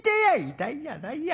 「痛いんじゃないや。